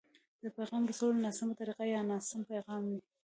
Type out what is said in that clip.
د پيغام رسولو ناسمه طريقه يا ناسم پيغام وي.